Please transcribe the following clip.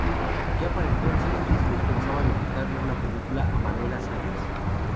Ya para entonces Rísquez pensaba dedicarle una película a Manuela Sáenz.